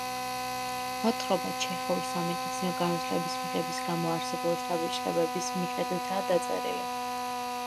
მოთხრობა ჩეხოვის სამედიცინო განათლების მიღების გამო არსებული შთაბეჭდილებების მიხედვითაა დაწერილი.